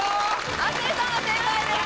亜生さんが正解です！